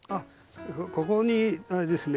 ここにあれですね